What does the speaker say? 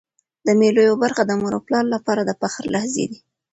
د مېلو یوه برخه د مور او پلار له پاره د فخر لحظې يي.